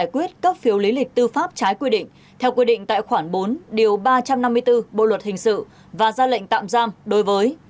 giải quyết cấp phiếu lý lịch tư pháp trái quy định theo quy định tại khoản bốn điều ba trăm năm mươi bốn bộ luật hình sự và ra lệnh tạm giam đối với